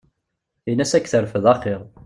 Ina-s ad k-terfed axir.